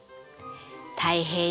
太平洋